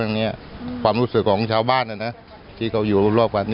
ลืมสินหากลับมา